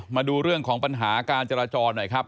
มาดูเรื่องของปัญหาการจราจรหน่อยครับ